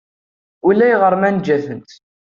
Ulayɣer ma nejja-tent.